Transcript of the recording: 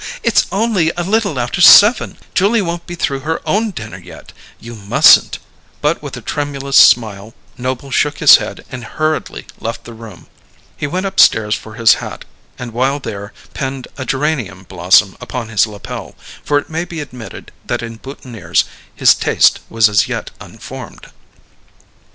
"It's only a little after seven. Julia won't be through her own dinner yet. You mustn't " But with a tremulous smile, Noble shook his head and hurriedly left the room. He went upstairs for his hat, and while there pinned a geranium blossom upon his lapel, for it may be admitted that in boutonnières his taste was as yet unformed.